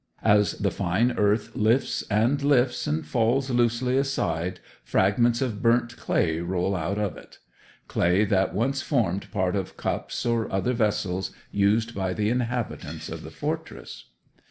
As the fine earth lifts and lifts and falls loosely aside fragments of burnt clay roll out of it clay that once formed part of cups or other vessels used by the inhabitants of the fortress.